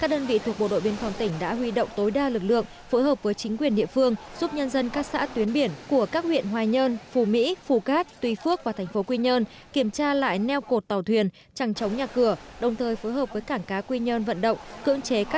tại huyện phù cát lực lượng bộ đội biên phòng tỉnh đã hỗ trợ sáu trăm linh hộ dân di rời đến các nhà văn hóa trường học